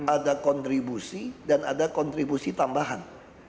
ada kontribusi dan ada kontribusi tambahan